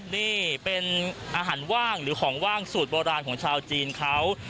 นี่เป็นอาหารว่างหรือของว่างสูตรโบราณของชาวจีนเขา